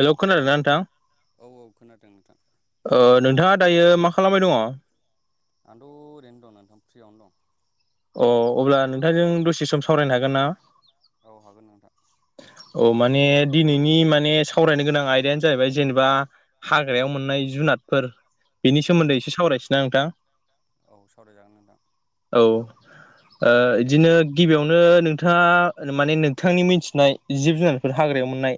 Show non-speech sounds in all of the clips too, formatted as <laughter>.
हेल' hello खोनादोंना नोंथां? औ औ खोनादों नोंथां नोंथाङा दायो मा खालामबाय दङ? आंथ' ओरैनो दं नोंथां फ्रियावनो दं। अ अब्ला नोंथांजों दसे सम सावरायनो हागोन ना? औ हागोन नोंथां। औ माने दिनैनि माने सावरायनो गोनां आयदायानो जाहैबाय जेनेबा हाग्रायाव मोननाय जुनादफोर बेनि औ सोमोन्दै एसे सावरायनोसै ना नोंथां। औ सावरायजागोन नोंथां औ बिदिनो गिबियावनो नोंथाङा माने नोंथांनि मिथि नाय जिब जुनारफोर हाग्रायाव मोननाय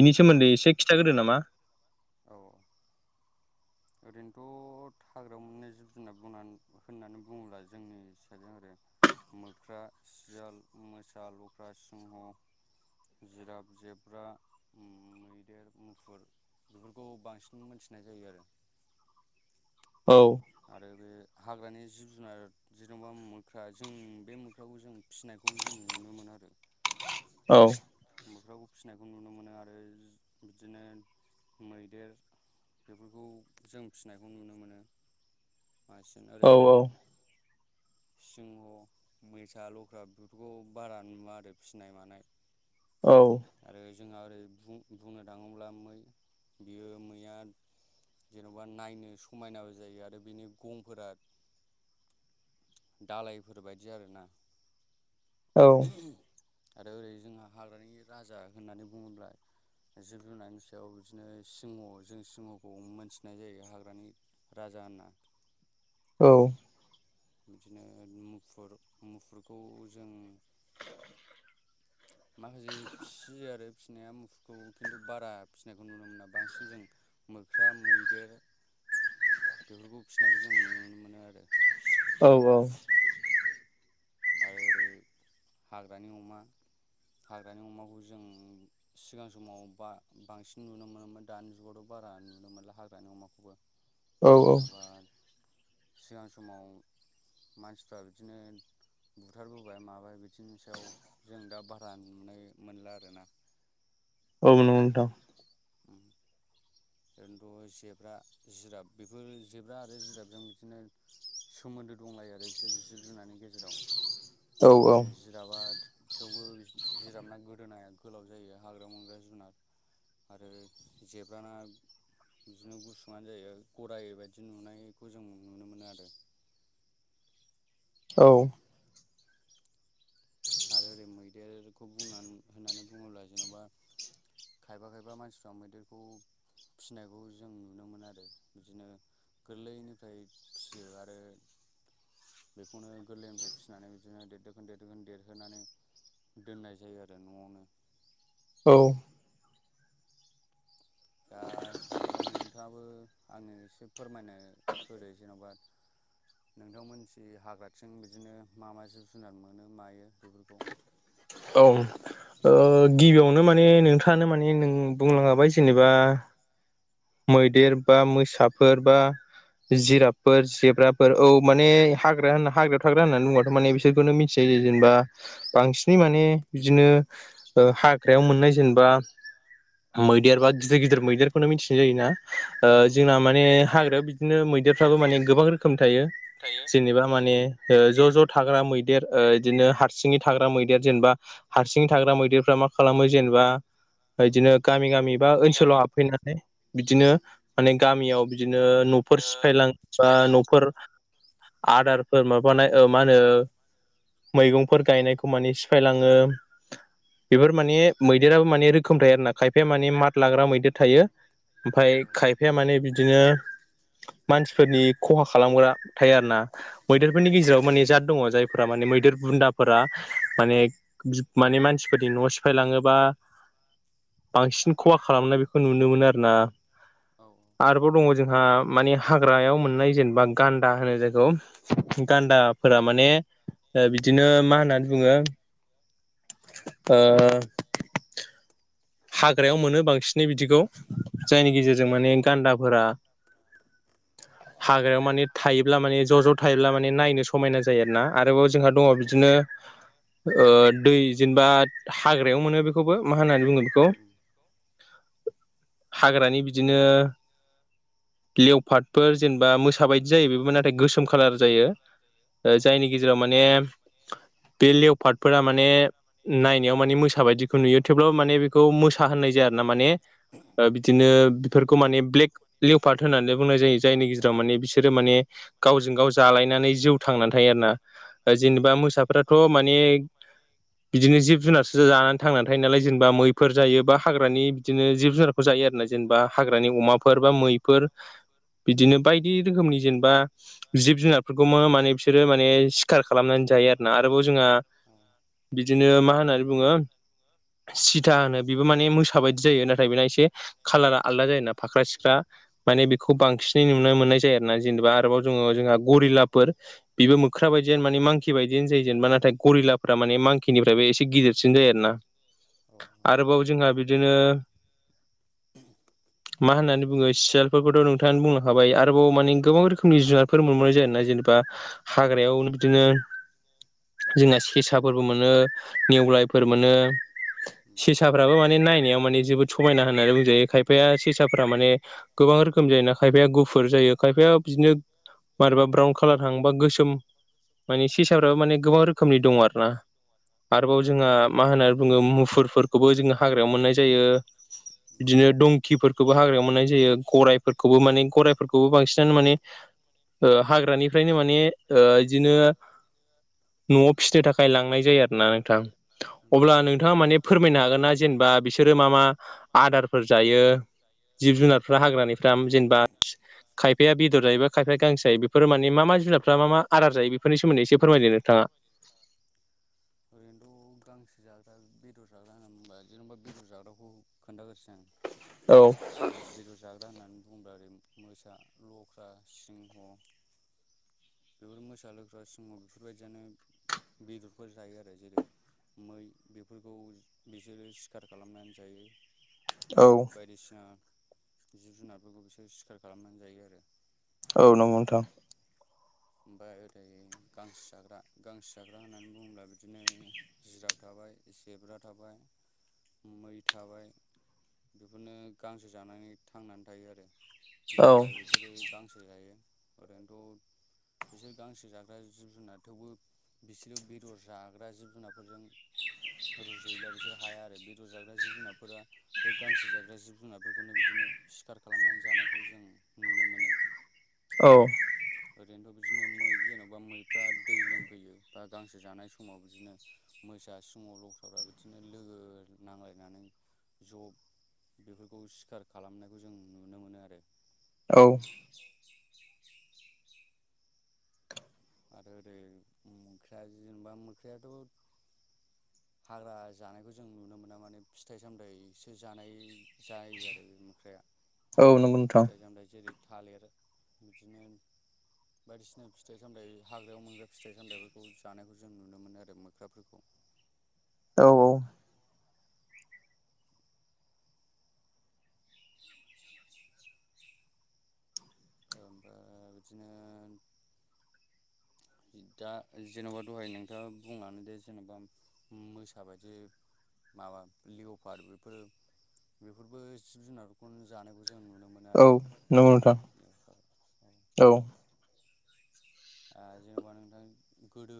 बिनि सोमोन्दै एसे खिथाग्रोदो नामा। अ। ओरैनोथ' हाग्रायाव मोननाय जिब जुनार बुंनानै होननानै बुङोब्ला जोंनि हिसाजों आरो मोख्रा, सियाल, मोसा, लख्रा, सिंह जिराद, जेब्रा, मैदेर, मुफुर बेफोरखौ बांसिन मोनथिनाय जायो आरो औ आरो बे हाग्रानि जिब जुनार जेनेबा मोख्रा जों बे मोख्राखौ जों फिसिनायखौ जों नुनो मोनो आरो। औ मोख्राखौ फिसिनायखौ नुनो मोनो आरो बिदिनो मैदेर बेफोरखौ जों फिसिनायखौ नुनो मोनो। <inaudible> ओरै औ सिंह' मोसा लख्रा बेफोरखौ बारा नुवा आरो फिसिनाय मानाय औ आरो जोंहा ओरै बुंनो थाङोब्ला मै बियो मैया जेन'बा नायनो समायनाबो जायो आरो बेनि गंफोरा दालायफोर बायदि आरोना। औ आरो ओरै जोंहा हाग्रानि राजा होननानै बुङोब्ला जिब जुनारनि सायाव बिदिनो सिंह' जों सिंह'खौ मोनथिनाय जायो हाग्रानि राजा होनना। औ बिदिनो मुफुर मुफुरखौ जों माखासे फिसियो आरो फिसिनाया मुफुरखौ खिन्थु बारा फिसिनायखौ नुनो मोना बांसिन जों मोख्रा मैदेर बेफोरखौ फिसिनायखौ जों नुनो मोनो आरो। औ औ आरो ओरै हाग्रानि अमा हाग्रानि अमाखौ जों सिगां समाव बा बांसिन नुनो मोनोमोन दानि जुगावथ' बारा नुनो मोनला हाग्रानि अमाखौबो <unintelligible> जेन'बा सिगां समाव मानसिफ्रा बिदिनो बुथारबोबाय माबाय बिदिनि सायाव जों दा बारा नुनाय मोनला आरोना। औ नंगौ नोंथां उम ओनथ' ज जिराब बेफोर जेब्रा आरो जिराबजों बिदिनो सोमोन्दो दंलायो आरो बिसोर जि जिब -जुनारनि गेजेराव औ बिदिनो औ जिराबा थेवबो बिस जिराबना गोदोनाया गोलाव जायो हाग्रायाव मोनग्रा जुनार आरो जेब्राना बिदिनो गुसुआनो जायो गराय बायदि नुनायखौ जों नुनो मोनो आरो। औ। आरो ओरै मैदेरखौ बुंनानै होननानै बुङोब्ला जेन'बा? खायबा -खायबा मानसिफ्रा मैदेरखौ फिसिनायखौ जों नुनो मोन आरो बिदिनो। गोरलैनिफ्राय फियो आरो। बेखौनो गोरलैनिफ्राय फिसिनानै बिदिनो देरदोखोन देरदोखोन देर होनानै दोननाय जायो आरो न'आवनो। औ दा जेन'बा नोंथाङाबो आङो एसे फोरमायनो होदो जेन'बा नोंथांमोनाथि हाग्राथिं बिदिनो मा मा जिब जुनार मोनो मायो बेफोरखौ औ ओ गिबियावनो माने नोंथाङानो माने नों बुंङाबाय जेनेबा मैदेर बा मोसाफोर बा जिराबफोर जेब्राफोर औ। माने हाग्रा होनना हाग्रायाव थाग्रा होननानै बुङाथ' माने बिसोरखौनो मिथिायो जायो जेनेबा। बांसिनै माने बिदिनो हाग्रायाव मोननाय जेनेबा। मैदेर बा गिदिर -गिदिर मैदेरखौनो मिथिनाय जायोना औ जोंना माने हाग्रायाव। बिदिनो मैदेरफ्राबो माने गोबां रोखोम थायो थायो जेनेबा माने। ज' ज' थाग्रा मैदेर बिदिनो हारसिङै थाग्रा मैदेर जेनेबा हारसिं थाग्रा मैदेरफ्रा मा खालामो जेनेबा बिदिनो गामि गामि। बा ओनसोलाव हाबफैनानै बिदिनो माने गामियाव बिदिनो। फोर ओ सिफायलां बा फायलां न'फोर आदारफोर माबानाय ओ मा होनो। मैगंफोर गायनायखौ माने सिफायलाङो बेफोर माने मैदेराबो माने रोखोम थायो आर ना खायफाया माने मात लाग्रा मैदेर थायो। ओमफाय औ खायफाया माने बिदिनो मानसिफोरनि औ खहा खालामग्रा थायो आरो ना। मैदेरफोरनि गेजेराव माने जत दङ जायफोरा माने मैदेर बुन्दाफोरा माने। माने मानसिफोरनि न'आव सिफायलाङोबा। बांसिन खहा खालामनाय बेखौ नुनो मोनो आरो ना। औ औ। आरोबाव दङ जोंहा माने हाग्रायाव मोननाय जेनेबा गान्दा होनो जायखौ। उम गान्दाफोरा माने बिदिनो मा होननानै बुङो ओ। हाग्रायाव मोनो बांसिनै बिदिखौ जायनि उम गेजेरजों माने गान्दाफोरा। <inaudible> हाग्रायाव माने थायोब्ला माने ज' ज' थायोब्ला माने नायनो समायना जायो आरोना आरोबाव जोंहा औ दङ बिदिनो। दै जेनेबा हाग्रायाव मोनो बेखौबो मा होननानै बुंगोन उम। हाग्रानि बिदिनो। लेवफाटफोर जेनेबा मोसााबायदि जायो बे नाथाय गोसोम कालार जायो। ओ औ जायनि गेजेराव माने बे लेवफाटफोरा माने नायनायाव माने मोसा बायदिखौ नुयो थेवब्लाबो माने बे खौ उम मोसा होननाय जाया आरो ना माने। बिदिनो बेफोरखौ माने ब्लेक लिउपार्ट होननानै बुंनाय जायो जायनि औ गेजेराव औ माने बिसोर। बिसोरो माने गावजों गाव जालायनानै जिउ थांनानै थायो आरो ना। उम जेनेबा मोसाफ्राथ' माने। बिदिनो जिब जुनार सजा जानानै थांनानै थायो नालाय जेनेबा मै फोर जायो बा हाग्रानि बिदिनो जिब जुनारखौ जायो आरो ना जेनेबा हाग्रानि अमाफोर बा मैफोर। बिदिनो बायदि रोखोमनि जेनेबा जिब जुनारफोरखौबो माने बिसोरो माने सिखार खालामनानै जायो आरोना आरोबाव जोंहा। <unintelligible> बिदिनो मा होननानै बुङो सि था होनो बेबो माने मोसा बायदि जायो नाथाय बेना एसे कालारा आलादा जायोना फाख्रा सिख्रा। माने बेखौ बांसिनै नुनो मोननाय जायो आरो ना जेनेबा आरोबाव जोङो जोंहा गरिलाफोर बिबो मोख्रा बेबो बायदियानो माने मांखि बायदियानो जायो जेनेबा नाथाय गरिलाफ्रा माने मांखिनिफ्रायबो एसे गिदिरसिन जायो आरो ना। आरोना मा होननानै बुङो आरोबाव जोंहा बिदिनो मा होननानै बुङो सियालफोरखौथ' नोंथांआनो बुंलां खाबाय आरोबाव माने गोबां रोखोमनि जुनारफोर फोर मोननाय जायोना जेनेबा हाग्रायाव बिदिनो जोंना सेसाफोरबो मोनो नेवलायफोर मोनो। उम सेसाफ्राबो माने नायनायाव माने जोबोद समायना होननानै बुंजायो खायफाया सेसा माने। गोबां रोखोम जायोना खायफाया गुफुर जायो खायफाया उम बिदिनो। मारैबा ब्राउन खालार थाङोबा गोसोम माने सेसाफ्राबो माने गोबां रोखोमनि दं आरो ना। औ आरोबाव उम जोंहा मा होननानै बुङो मुफुरफोरखौबो जोङो हाग्रायाव मोननाय जायो। बिदिनो दंकिफोरखौबो हाग्रायाव मोननाय जायो गराइफोरखौबो माने गराइफोरखौबो बांसिनानो माने हाग्रानिफ्रायनो माने ओ बिदिनो न'आव फिसिनो थाखाय लांनाय जायो आरो ना नोंथां। अब्ला आरो नोंथाङा माने फोरमायनो हागोन ना जेनेबा बिसोरो मा मा आदारफोर जायो? जिब जुनारफ्रा हाग्रानिफ्रा जेनेबा खायफाया बेदर जायोबा खायफाया गांसो जायो बेफोर मान मा मा औ जुनादफ्रा मा औ मा आदार जायो बेफोरनि सोमोनदै फोरमायदों नोंथाङा। ओरैनोथ' बे गांसो जाग्रा बेदर जाग्रा होनना बुंबा जेनेबा बेदर जाग्राखौ खोन्थाग्रोसै आं। नोंथाङा। औ जेरै बेदर जाग्रा होननानै बुङोब्ला ओरै मोसा, लख्रा, सिंह, बेफोर मोसा लोग्रा सिंह बेफोरबायदियानो बेदरफोर जायो आरो। जेरै मै बेफोरखौ बिसोरो सिखार खालामनानै जायो। मै औ बायदिसिना जिब जुनारफोरखौ बिसोरो सिखार खालामनानै जायो आरो। औ नंगौ नोंथां। ओमफाय ओरै गांसो जाग्रा गांसो जाग्रा होननानै बुङोब्ला बिदिनो जिराब थाबाय जेब्रा थाबाय मै थाबाय। बेफोरनो गांसो जानानै थांनानै थायो आरो। औ गराय बेफोरो गांसो जायो। ओरैनोथ' बिसोर गांसो जाग्रा जिब जुनार थेवबो बिसोरो बेदर जाग्रा जिब जुनारफोरजों रुजुयोब्ला बिसोर हाया आरो बेदर जाग्रा जिब जुनारफोरा बे गांसो जाग्रा जिब जुनारफोरखौनो बिदिनो सिखार खालामनानै जानायखौ जों नुनो मोनो। औ। ओरैनोथ बि दिनो मै। जेन'बा मैफ्रा दै लोमफैयो बा गांसो जानाय समाव बिदिनो मोसा सिङाव लख्रा फ्रा बिदिनो लोगो नांलायनानै ज' बेफोरखौ सिखार खालामनायखौ जों नुनो मोनो आरो। औ। आरो ओरै मोख्र जिनोबा मोख्रयाथ' हाग्रा जानायखौ जों नुनो मोना। माने फिथाइ सामथायाइसो जानाय जायो आरो बे मोख्राया। फिथाइ जामथाय जेरै थालिर बिदिनो बायदिसिना फिथाइ फिथाइ सामथाइ हाग्रायाव मोनग्रा फिथाइ सामथाइफोरखौ जानायखौ जों नुनो मोनो आरो मोख्राफोरखौ। औ औ। ओमफाय बिदिनो दा जेन'बा दहाय नोंथाङा बुंलादों दे जेने'बा मोसाबायदि माबा लिव' पार बेफोरो बेफोरबो जिब जुनारफोरखौनो जानायखौ जों नुनो मो नो आरो नंगौ नोंथां औ <inaudible> जेनेबा नोंथां गोदो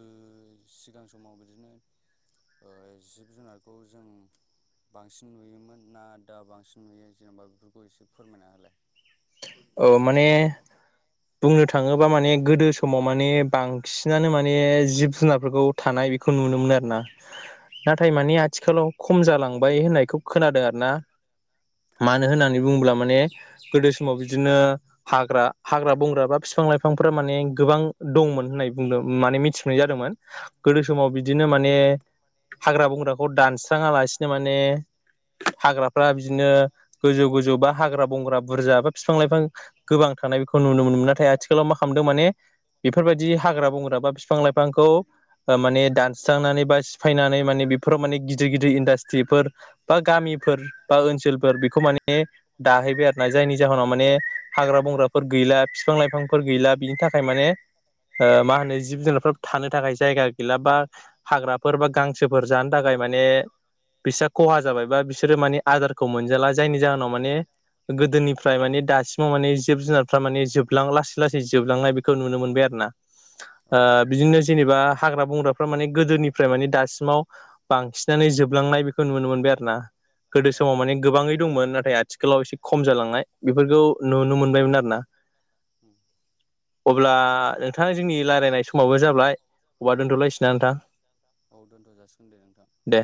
सिगां समाव बिदिनो ओ जिब-जुनारखौ जों बांसिन नुयोमोन ना दा बांसिन नुयो जेनेबा बेफोरखौ एसे फोरमायना होलाय। औ माने बुंनो थाङोब्ला माने गोदो समाव माने बांसिनानो माने जिब-जुनारफोरखौ थानाय बेखौ नुनो मोनो आरोना औ नाथाय माने आथिखालाव खम जालांबाय होननायखौ खोनादों आरो ना। मानो होननानै बुङोब्ला माने गोदो समाव बिदिनो हाग्रा हाग्रा बंग्रा बा फिफां लाइफांफोरा माने गोबां दंमोन होननाय बुंदों माने मिथिनाय जादोंमोन। गोदो औ समाव बिदिनो माने हाग्रा बंग्रा खौ दानस्राङा लासिनो माने हाग्राफ्रा बिदिनो गोजौ गोजौ बा हाग्रा बंग्रा बुरजा बा बिफां लाइफां गोबां थानाय बेखौ नुनो मोनोमोन। नाथाय आथिखालाव मा खालामदों माने बेफोर बायदि हाग्रा-बंग्रा बा बिफां-लाइफांखौ माने दानस्रांनानै बा सिफायनानै माने बेफोराव माने गिदिर गिदिर इन्डास्ट्रिफोर बा गामिफोर बा ओनसोलफोर बेखौ माने दाहैबाय आरो ना जायनि जाहोनाव माने हाग्रा-बंग्राफोर गैला बिफां-लाइफांफोर गैला बिनि थाखाय माने ओ मा होनो जिब-जुनारफोर थानो थाखाय जायगा गैला बा हाग्राफोर बा गांसोफोर जानो थाखाय माने बिस्रा खहा जाबायबा बिसोरो माने आदारखौ मोनजाला जायनि जाहोनाव माने गोदोनि फ्राय माने दासिमाव माने जिब-जुनारफ्रा माने जोबलां लासै लासै जोबलांनाय बेखौ नुनो मोनबाय आरो ना। औ ओ बिदिनो जेनेबा हाग्रा बंग्राफ्रा माने गोदोनिफ्राय माने दासिमाव बांसिनानो जोबलांनाय बेखौ नुनो मोनबाय आरो ना। गोदो औ समाव माने गोबाङै दंमोन नाथाय आथिखालाव एसे खम जालांनाय बेफोरखौ नुनो मोनबायमोन आरो ना। अब्ला नोंथां जोंनि रायलायनाय समावबो जाबाय अब्ला दोन्थ'लायसैना नोंथां? औ दोन्थ' जासिगोन दे नोंथां। दे